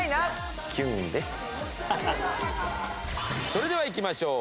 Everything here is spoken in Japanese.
それではいきましょう。